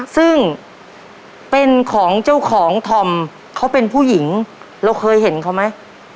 ซึ่งเป็นของเจ้าของธอมเขาเป็นผู้หญิงเราเคยเห็นเขาไหม